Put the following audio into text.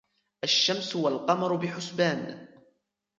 الشمس والقمر بحسبان